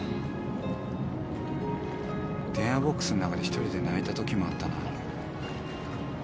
電話ボックスの中で１人で泣いたときもあったな。